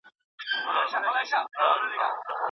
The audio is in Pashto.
د زمري د مشکلاتو سلاکار وو